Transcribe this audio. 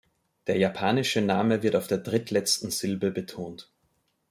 Der japanische Name wird auf der drittletzten Silbe betont.